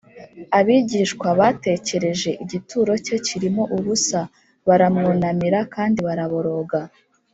abigishwa batekereje igituro cye kirimo ubusa, baramwunamira kandi baraboroga